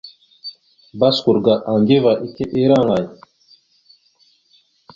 Baskur ga Aŋgiva ike ira aŋay?